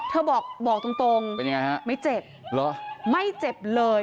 เธอบอกตรงไม่เจ็บ